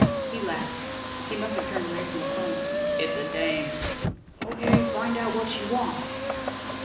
He laughed. He must have turned away from the 'phone. "It's a dame." "Okay, find out what she wants."